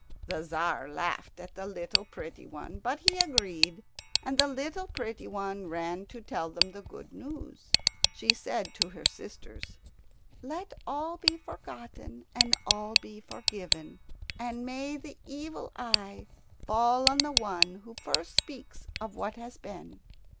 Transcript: The Tzar laughed at the little pretty one, but he agreed, and the little pretty one ran to tell them the good news. She said to her sisters, "Let all be forgotten, and all be forgiven, and may the evil eye fall on the one who first speaks of what has been!"